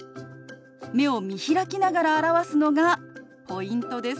目を見開きながら表すのがポイントです。